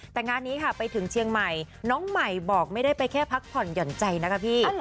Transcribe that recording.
แต่งานนี้ค่ะไปถึงเชียงใหม่น้องใหม่บอกไม่ได้ไปแค่พักผ่อนหย่อนใจนะคะพี่